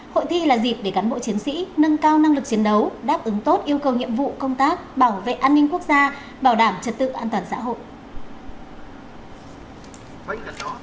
hội thi là dịp để cán bộ chiến sĩ nâng cao năng lực chiến đấu đáp ứng tốt yêu cầu nhiệm vụ công tác bảo vệ an ninh quốc gia bảo đảm trật tự an toàn xã hội